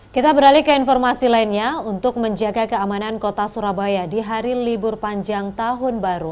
kita beralih ke informasi lainnya untuk menjaga keamanan kota surabaya di hari libur panjang tahun baru